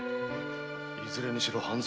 いずれにしろ半蔵